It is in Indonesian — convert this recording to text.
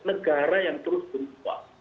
negara yang terus berubah